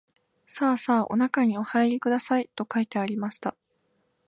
さあさあおなかにおはいりください、と書いてありました